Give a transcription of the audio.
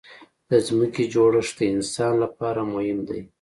د ځمکې جوړښت د انسانانو لپاره مهم دی.